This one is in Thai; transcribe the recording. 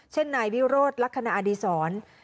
เช่นนายวิโรธลักษณะอดีศร